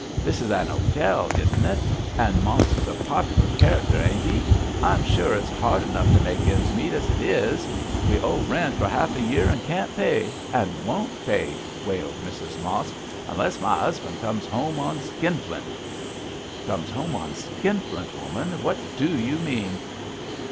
This is an 'otel, isn't it? and Mosk's a pop'lar character, ain't he? I'm sure it's hard enough to make ends meet as it is; we owe rent for half a year and can't pay and won't pay,' wailed Mrs Mosk, 'unless my 'usband comes 'ome on Skinflint.' 'Comes home on Skinflint, woman, what do you mean?'